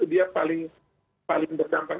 dia paling berdampak